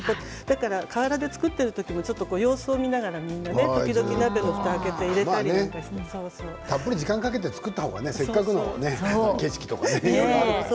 河原で作っている時も様子を見ながら時々、鍋のふたをたっぷり時間をかけて作った方が、せっかくの景色とかいろいろあるからね。